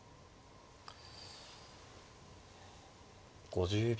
５０秒。